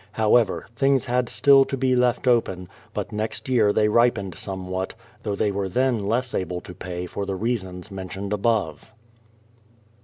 However, things had still to be left open ; but next year they ripened somewhat, though they were then less able to pay for the reasons mentioned above.